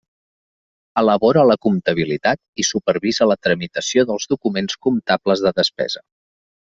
Elabora la comptabilitat i supervisa la tramitació dels documents comptables de despesa.